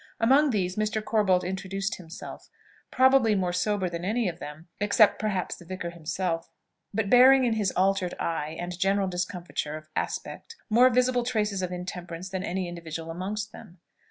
Among these Mr. Corbold introduced himself: probably, more sober than any of them, except, perhaps, the vicar himself, but bearing in his "altered eye," and general discomfiture of aspect, more visible traces of intemperance than any individual amongst them.